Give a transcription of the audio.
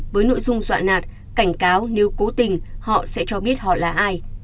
với nội dung dọa nạt cảnh cáo nếu cố tình họ sẽ cho biết họ là ai